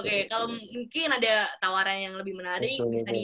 kalau mungkin ada tawaran yang lebih menarik